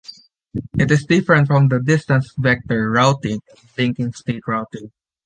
It is different from the distance vector routing and link state routing.